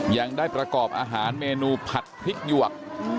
ยังได้ประกอบอาหารเมนูผัดพริกหยวก